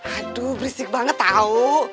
aduh berisik banget tau